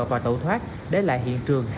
và tẩu thoát để lại hiện trường